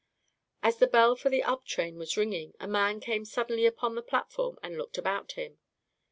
As the bell for the up train was ringing, a man came suddenly upon the platform and looked about him.